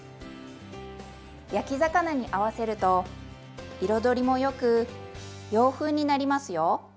焼き魚に合わせると彩りもよく洋風になりますよ。